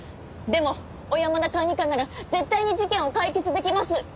でも小山田管理官なら絶対に事件を解決できます。